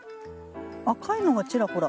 赤いのがちらほら。